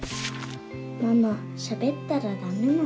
「ママしゃべったらダメなの？